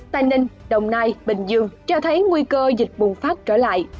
tây ninh đồng nai bình dương cho thấy nguy cơ dịch bùng phát trở lại